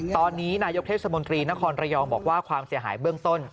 ตอนนี้นายกเทศมนตรีนครระยองบอกว่าความเสียหายเบื้องต้น